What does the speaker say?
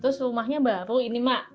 terus rumahnya baru ini mak